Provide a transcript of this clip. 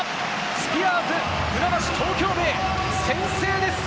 スピアーズ船橋・東京ベイ、先制です！